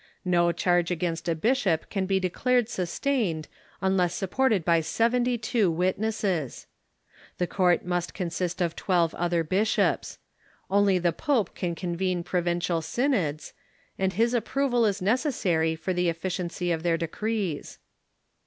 No charge against a bishop can be declared sustained unless supported by seventy two witnesses. The court must consist of twelve other bishops. Only the pope can convene provincial synods, and his appi'oval is necessary for the efficiency of their de crees.